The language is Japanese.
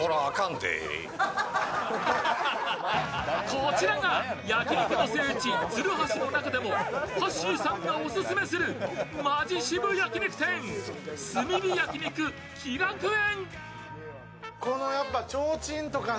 こちらが焼肉の聖地・鶴橋の中でもはっしーさんがオススメするマヂ渋焼肉店、炭火焼肉喜楽園。